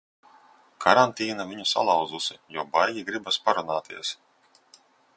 Karantīna viņu salauzusi, jo baigi gribas parunāties.